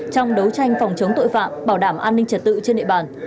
trong đấu tranh phòng chống tội phạm bảo đảm an ninh trật tự trên địa bàn